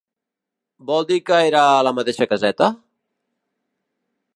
Vol dir que era a la mateixa caseta?